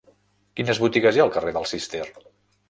Quines botigues hi ha al carrer del Cister?